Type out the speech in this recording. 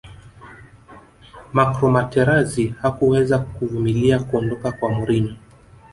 marco materazi hakuweza kuvumilia kuondoka kwa mourinho